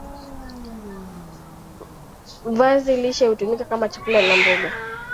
viazi lishe hutumika kama chakula na mboga